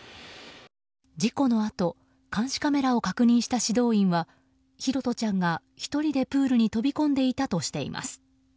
事故のあと監視カメラを確認した指導員は拓杜ちゃんが１人でプールに飛び込んでいたとしています。